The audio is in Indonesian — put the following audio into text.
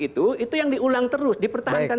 itu itu yang diulang terus dipertahankan